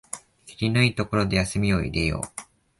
きりのいいところで休みを入れよう